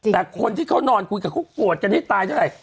แต่คนที่เขานอนคุยกับเขาโกรธกันให้ตายเท่าไหร่